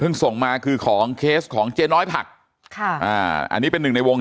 ส่งมาคือของเคสของเจ๊น้อยผักค่ะอ่าอันนี้เป็นหนึ่งในวง